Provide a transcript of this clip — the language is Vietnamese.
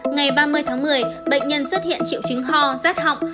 ngày ba mươi tháng một mươi bệnh nhân xuất hiện triệu chứng ho rét họng